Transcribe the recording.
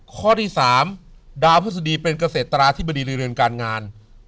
ข้อที่๓ด่าวพฤศดีร์เป็นเกษตราธิบดีเรียนการงาน